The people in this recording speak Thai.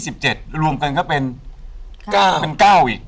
และ๒๗รวมกันก็เป็น๙อีก